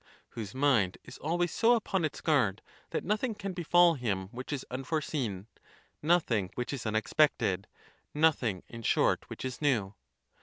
whose mind is always so upon its guard that nothing can befall him which is unforeseen, nothing which is unexpected, noth ing, in short, which is new.